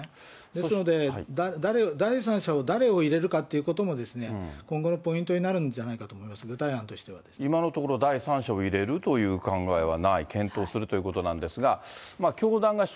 ですので、第三者を、誰を入れるかということも、今後のポイントになるんじゃないかと思います、今のところ、第三者を入れるという考えはない、検討するということなんですが。